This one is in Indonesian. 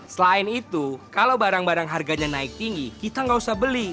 selain itu kalau barang barang harganya naik tinggi kita nggak usah beli